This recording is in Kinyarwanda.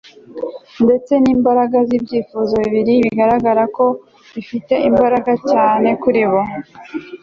ndetse n'imbaraga z'ibyifuzo bibi bigaragara ko bifite imbaraga cyane kuri bo